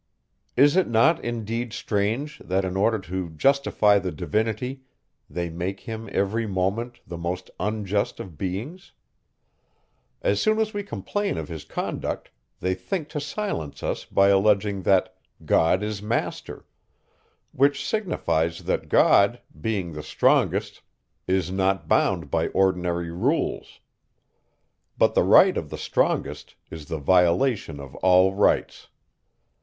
Is it not indeed strange, that in order to justify the Divinity, they make him every moment the most unjust of beings! As soon as we complain of his conduct, they think to silence us by alleging, that God is master; which signifies, that God, being the strongest, is not bound by ordinary rules. But the right of the strongest is the violation of all rights.